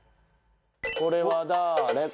これはだれ？